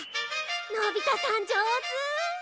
のび太さん上手！